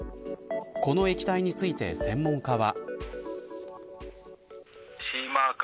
この液体について専門家は。